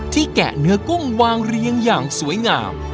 แกะเนื้อกุ้งวางเรียงอย่างสวยงาม